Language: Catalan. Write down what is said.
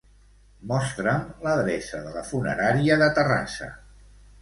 Mostra'm l'adreça de la funerària de Terrassa.